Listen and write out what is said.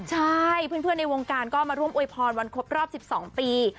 ใช่เพื่อนในวงการก็มาร่วมอวยพรวันครบรอบ๑๒ปี